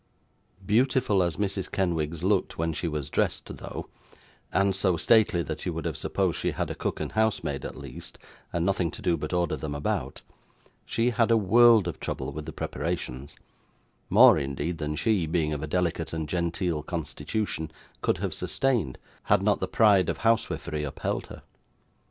Beautiful as Mrs. Kenwigs looked when she was dressed though, and so stately that you would have supposed she had a cook and housemaid at least, and nothing to do but order them about, she had a world of trouble with the preparations; more, indeed, than she, being of a delicate and genteel constitution, could have sustained, had not the pride of housewifery upheld her.